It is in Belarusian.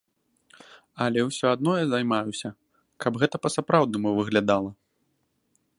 Алё ўсё адно я займаюся, каб гэта па-сапраўднаму выглядала.